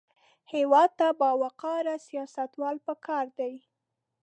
هېواد ته باوقاره سیاستوال پکار دي